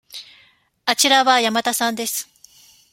あちらは山田さんです。